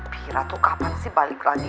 kira tuh kapan sih balik lagi